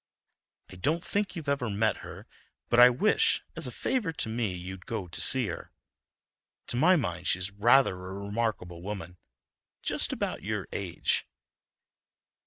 I don't think you've ever met her, but I wish, as a favor to me, you'd go to see her. To my mind, she's rather a remarkable woman, and just about your age."